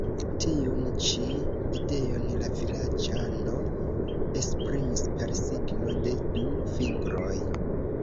Tiun ĉi ideon la vilaĝano esprimis per signo de du fingroj.